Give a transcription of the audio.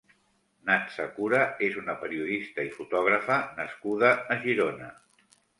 Nath-Sakura és una periodista i fotògrafa nascuda a Girona.